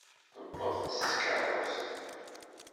Tewweḍ-d s tkeṛṛust.